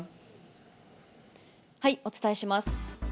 お伝えします。